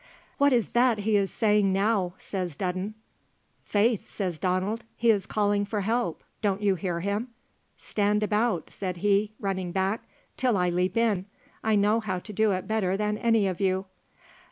"What is that he is saying now?" says Dudden. "Faith," says Donald, "he is calling for help; don't you hear him? Stand about," said he, running back, "till I leap in. I know how to do it better than any of you."